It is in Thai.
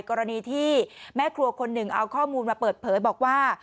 กรณีที่แม่ครัวคนหนึ่งเอาข้อมูลมาเปิดเผยบอกว่า